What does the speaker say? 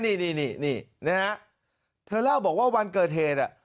นี่นี่นี่นี่นะฮะเธอเล่าบอกว่าวันเกิดเหตุอ่ะ